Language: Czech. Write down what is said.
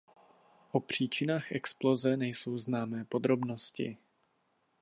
O příčinách exploze nejsou známé podrobnosti.